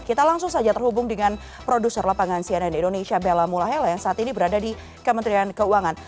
kita langsung saja terhubung dengan produser lapangan cnn indonesia bella mulahela yang saat ini berada di kementerian keuangan